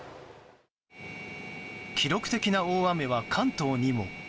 記録的な大雨は、関東にも。